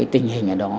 tình hình ở đó